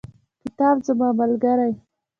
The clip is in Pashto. کتاب زما ملګری.